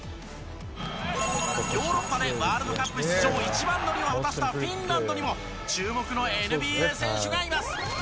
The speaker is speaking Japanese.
ヨーロッパでワールドカップ出場１番乗りを果たしたフィンランドにも注目のＮＢＡ選手がいます。